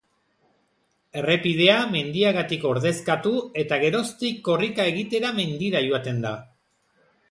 Errepidea mendiagatik ordezkatu eta geroztik korrika egitera mendira joaten da.